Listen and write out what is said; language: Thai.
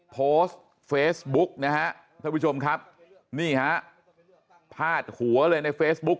โพสต์เฟซบุ๊กนะฮะท่านผู้ชมครับนี่ฮะพาดหัวเลยในเฟซบุ๊ค